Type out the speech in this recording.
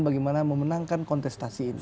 bagaimana memenangkan kontestasi ini